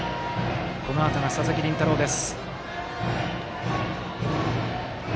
このあとが佐々木麟太郎です。